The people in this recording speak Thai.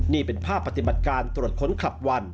นี่เป็นภาพปฏิบัติการตรวจค้นคลับวัน